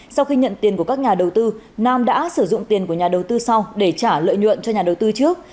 sau khi nhận tiền của các nhà đầu tư nam đã sử dụng tiền của nhà đầu tư sau để trả lợi nhuận cho nhà đầu tư trước